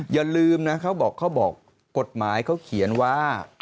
อย่าลืมนะเขาบอกเขาบอกกฎหมายเขาเขียนว่า